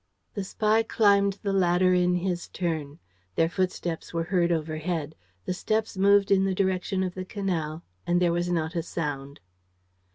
The spy climbed the ladder in his turn. Their footsteps were heard overhead. The steps moved in the direction of the canal and there was not a sound.